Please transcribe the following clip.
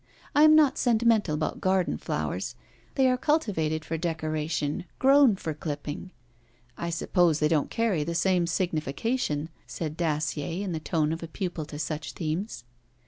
I am not sentimental about garden flowers: they are cultivated for decoration, grown for clipping.' 'I suppose they don't carry the same signification,' said Dacier, in the tone of a pupil to such themes.